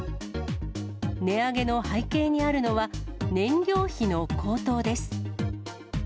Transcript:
値上げの背景にあるのは、燃料費の高騰です。